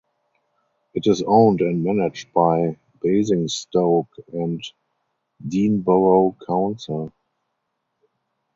It is owned and managed by Basingstoke and Deane Borough Council.